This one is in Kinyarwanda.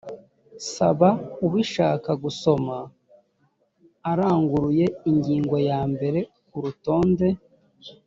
saba ubishaka gusoma aranguruye ingingo ya mbere ku rutonde